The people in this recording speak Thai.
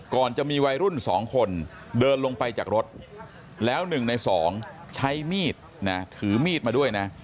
ก่อนจะมีวัยรุ่น๒คนเดินลงไปจากรถแล้ว๑ใน๒ใช้มีดนะถือมีดมาด้วยนะ